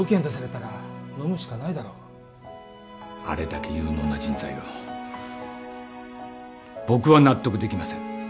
出されたらのむしかないだろあれだけ有能な人材を僕は納得できません